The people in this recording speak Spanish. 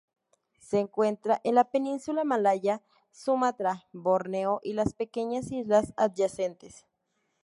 Se encuentra en la península malaya, Sumatra, Borneo y las pequeñas islas adyacentes.